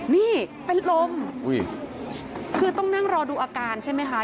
นี่เป็นลมคือต้องนั่งรอดูอาการใช่ไหมคะ